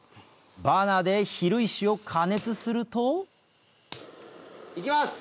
バーナーで蛭石を加熱すると行きます！